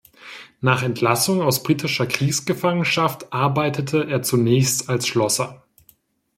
Nach Entlassung aus britischer Kriegsgefangenschaft arbeitete er zunächst als Schlosser.